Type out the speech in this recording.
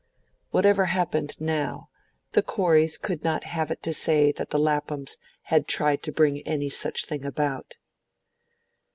Whatever happened now, the Coreys could not have it to say that the Laphams had tried to bring any such thing about.